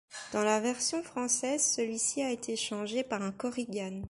Dans la version française celui-ci a été changé par un korrigan.